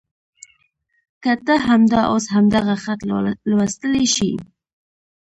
که ته همدا اوس همدغه خط لوستلی شې.